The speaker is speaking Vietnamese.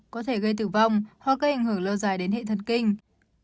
có thể gây tử vong hoặc gây ảnh hưởng lâu dài đến hệ thần kinh